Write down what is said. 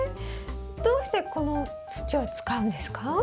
どうしてこの土を使うんですか？